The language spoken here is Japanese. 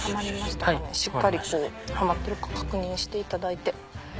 しっかりはまってるか確認していただいて。